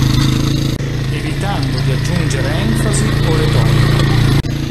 Evitando di aggiungere enfasi o retorica.